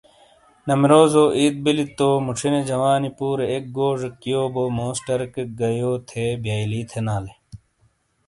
نمروزو عید بلی تو موچھِینے جوانی پورے اک گوزیک یو بو موس ٹرکیک گہ یو تھے بیئلی تھینالے۔